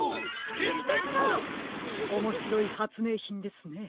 おもしろいはつめいひんですね。